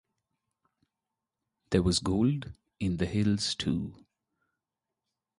There was gold in the hills too.